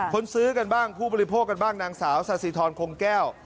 คนซื้อกันบ้างผู้บริโภคกันบ้างนางสาวสาธิธรคงแก้ว